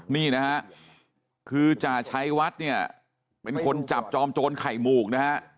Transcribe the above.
นี่นะฮะคือจ่าชัยวัดเนี่ยเป็นคนจับจอมโจรไข่หมูกนะฮะ